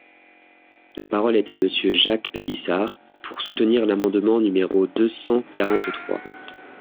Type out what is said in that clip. La parole est à Monsieur Jacques Pélissard, pour soutenir l’amendement numéro deux cent quarante-trois.